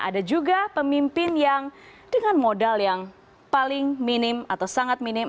ada juga pemimpin yang dengan modal yang paling minim atau sangat minim